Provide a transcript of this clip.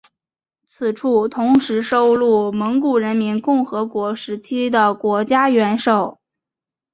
此处同时收录蒙古人民共和国时期的国家元首。